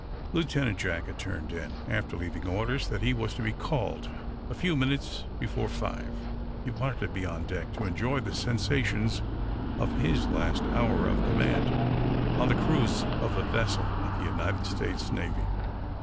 Lieutenant Jack had turned in, after leaving orders that he was to be called a few minutes before five. He wanted to be on deck to enjoy the sensations of his last hour of command on the cruise of a vessel of the United States Navy.